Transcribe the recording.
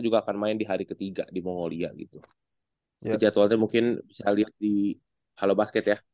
juga akan main di hari ketiga di mongolia gitu jadi jadwalnya mungkin bisa lihat di halo basket ya